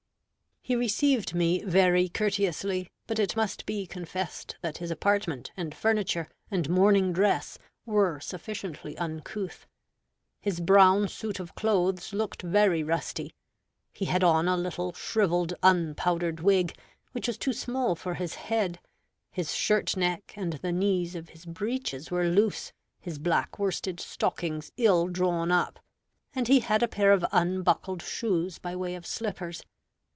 He received me very courteously; but it must be confessed that his apartment and furniture and morning dress were sufficiently uncouth. His brown suit of clothes looked very rusty; he had on a little shriveled unpowdered wig, which was too small for his head; his shirt neck and the knees of his breeches were loose; his black worsted stockings ill drawn up; and he had a pair of unbuckled shoes by way of slippers.